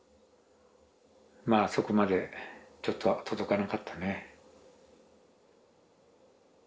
まあそこまでちょっと届かなかったね。